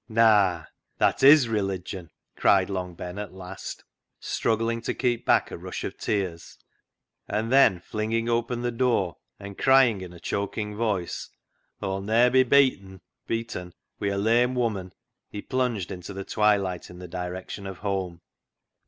" Naa, that is religion," cried Long Ben at last, struggling to keep back a rush of tears, and then flinging open the door, and crying in a choking voice, " Aw'll ne'er be byetten COALS OF FIRE 139 (beaten) wi' a lame woman," he plunged into the twilight in the direction of home.